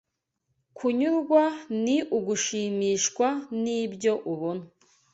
Kunyurwa ni ugushimishwa n’ibyo ubona